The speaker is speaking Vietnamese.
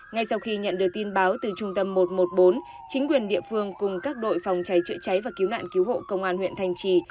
ngay sau khi nhận được tin báo từ trung tâm một trăm một mươi bốn chính quyền địa phương cùng các đội phòng cháy chữa cháy và cứu nạn cứu hộ công an huyện thanh trì